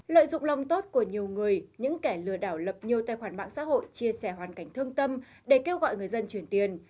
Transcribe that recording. lợi dụng lòng tốt của nhiều người những kẻ lừa đảo lập nhiều tài khoản mạng xã hội chia sẻ hoàn cảnh thương tâm để kêu gọi người dân chuyển tiền